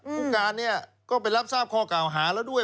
ผู้การเนี่ยก็ไปรับทราบข้อเก่าหาแล้วด้วย